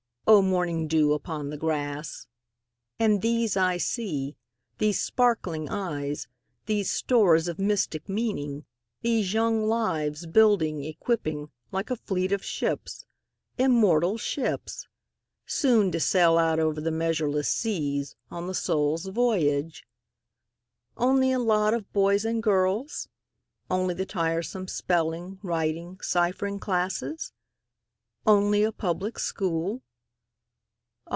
O morning dew upon the grass! And these I see—these sparkling eyes, These stores of mystic meaning—these young lives, Building, equipping, like a fleet of ships—immortal ships! Soon to sail out over the measureless seas, On the Soul's voyage. Only a lot of boys and girls? Only the tiresome spelling, writing, ciphering classes? Only a Public School?